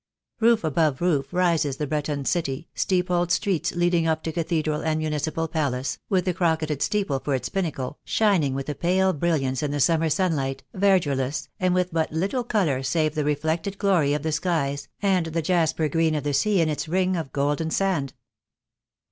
Roof above roof rises the Breton city, steep old streets leading up to Cathedral and Municipal Palace, with the crocketed steeple for its pinnacle, shining with a pale brilliance in the summer sunlight, verdureless, and with but little colour save the reflected glory of the skies, and the jasper green of the sea in its ring of golden sand.